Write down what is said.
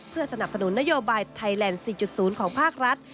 เพื่อสนับสนุนนโยบายไทยแลนด์๔๐ของภาครัฐ